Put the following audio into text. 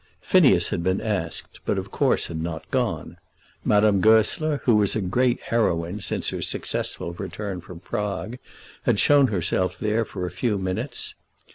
Phineas had been asked, but of course had not gone. Madame Goesler, who was a great heroine since her successful return from Prague, had shown herself there for a few minutes.